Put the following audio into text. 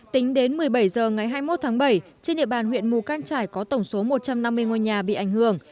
tính đến một mươi bảy h ngày hai mươi một tháng bảy trên địa bàn huyện mù căng trải có tổng số một trăm năm mươi ngôi nhà bị ảnh hưởng